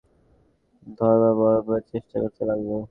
আর সম্রাট তখন তাঁকে খৃষ্টান ধর্মাবলম্বনের চেষ্টা করতে লাগল।